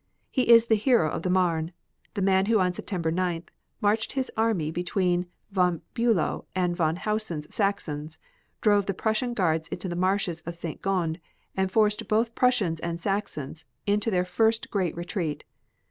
He is the hero of the Marne, the man who on September 9th marched his army between Von Bulow and Von Hausen's Saxons, drove the Prussian Guards into the marshes of St. Gond and forced both Prussians and Saxons into their first great retreat.